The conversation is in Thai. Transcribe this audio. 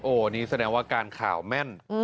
อันนี้แสดงว่าการข่าวแม่น